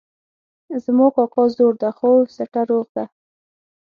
زما کاکا زوړ ده خو سټه روغ ده